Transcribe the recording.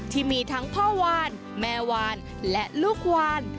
ที่มีทั้งพ่อวานแม่วานและลูกวาน